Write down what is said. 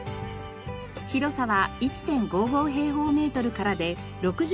広さは１．５５平方メートルからで６０カ所を募集。